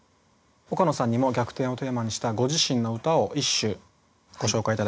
岡野さんにも「逆転」をテーマにしたご自身の歌を一首ご紹介頂きます。